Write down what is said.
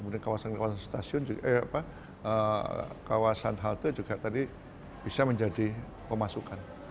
nah kemudian kawasan halte juga tadi bisa menjadi pemasangan